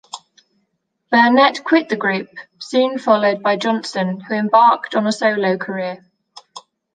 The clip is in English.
Burnett quit the group, soon followed by Johnson, who embarked on a solo career.